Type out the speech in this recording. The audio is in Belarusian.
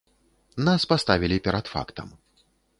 Нас паставілі перад фактам.